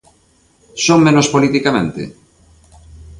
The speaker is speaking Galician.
¿Son menos politicamente?